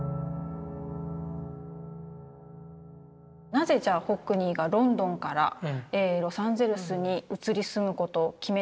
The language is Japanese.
なぜじゃあホックニーがロンドンからロサンゼルスに移り住むことを決めたのか。